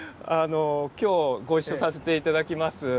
今日ご一緒させて頂きます